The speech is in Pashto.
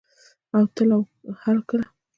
تل او هرکله.